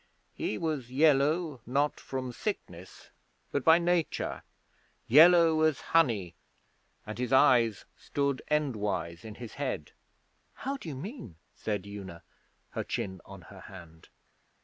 He was yellow not from sickness, but by nature yellow as honey, and his eyes stood endwise in his head.' 'How do you mean?' said Una, her chin on her hand.